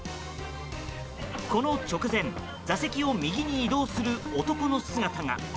この直前座席を右に移動する男の姿が。